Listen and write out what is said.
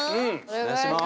お願いします。